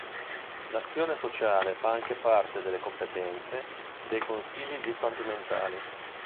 L'azione sociale fa anche parte delle competenze dei consigli dipartimentali.